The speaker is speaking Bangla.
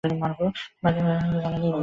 বাইরের হালকা আলো জানালা দিয়ে এসে পড়েছে ভেতরে।